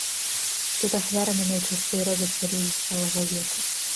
Тут ахвярамі найчасцей робяцца людзі сталага веку.